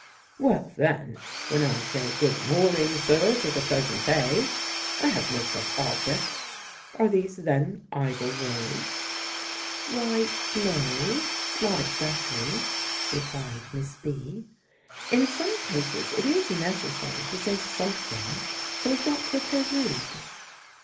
"Well, then, when I say, 'Good morning, sir; 'tis a pleasant day,' I have no such object. Are these, then, idle words?" "Why, no, not exactly," replied Miss B.; "in some cases it is necessary to say something, so as not to appear rude."